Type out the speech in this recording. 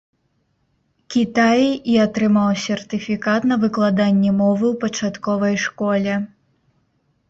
Кітаі і атрымаў сертыфікат на выкладанне мовы ў пачатковай школе.